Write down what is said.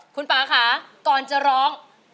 คุณป่าค่ะก่อนจะร้อง